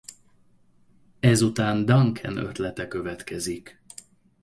Ezután Duncan ötlete következik.